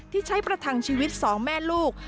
ที่ใช้ประทังชีวิตสองแม่ลูก